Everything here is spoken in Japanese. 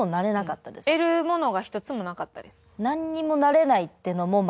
得るものが一つもなかったです。